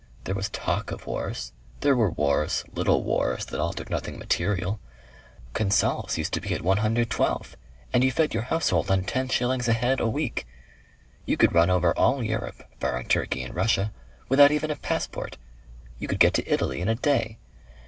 There was talk of wars. There were wars little wars that altered nothing material.... Consols used to be at 112 and you fed your household on ten shillings a head a week. You could run over all Europe, barring Turkey and Russia, without even a passport. You could get to Italy in a day.